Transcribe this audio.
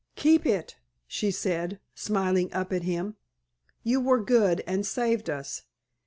"Keep it," she said, smiling up at him; "you were good and saved us.